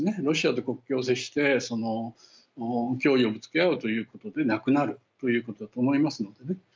ロシアと国境を接してその脅威をぶつけ合うということでなくなるということだと思いますのでね。